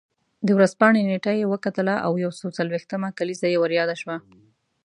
د ورځپاڼې نېټه یې وکتله او یو څلوېښتمه کلیزه یې ور یاده شوه.